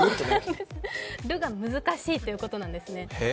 「る」が難しいということなんですね。